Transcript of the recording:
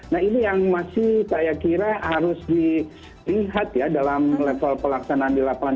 nah ini yang masih saya kira harus dilihat ya dalam level pelaksanaan di lapangan